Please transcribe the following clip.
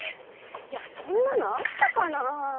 いやそんなのあったかなぁ？